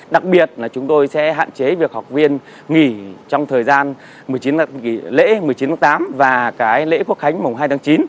đặc biệt là chúng tôi sẽ hạn chế việc học viên nghỉ trong thời gian lễ một mươi chín tháng tám và lễ quốc khánh mồng hai tháng chín